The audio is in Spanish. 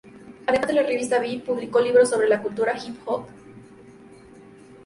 Además de la revista, "Vibe" publica libros sobre la cultura hip-hop.